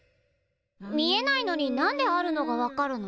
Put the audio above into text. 見えないのに何であるのが分かるの？